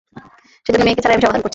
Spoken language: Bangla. সেজন্য, মেয়েকে ছাড়াই আমি সমাধান করছি।